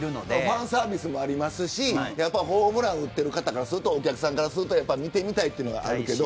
ファンサービスもあるしホームランを打っている方お客さんからすると見てみたいのがあるけど。